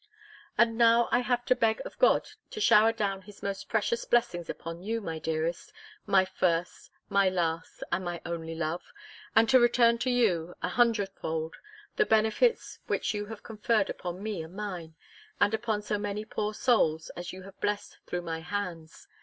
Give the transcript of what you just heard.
And now I have to beg of God to shower down his most precious blessings upon you, my dearest, my first, my last, and my only love! and to return to you an hundred fold, the benefits which you have conferred upon me and mine, and upon so many poor souls, as you have blessed through my hands!